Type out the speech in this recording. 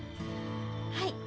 はい。